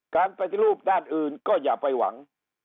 การปฏิรูปด้านอื่นก็อย่าไปหวัง